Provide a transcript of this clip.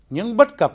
những bất cập